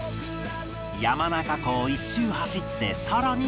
山中湖を一周走ってさらに４キロ